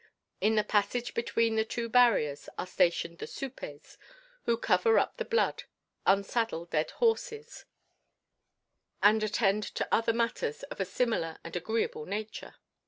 In the passage between the two barriers are stationed the "supes," who cover up the blood, unsaddle dead horses, and attend to other matters of a similar and agreeable nature.